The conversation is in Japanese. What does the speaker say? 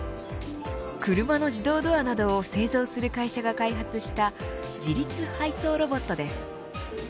車の自動ドアなどを製造する会社が開発した自律配送ロボットです。